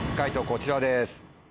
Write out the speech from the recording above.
こちらです。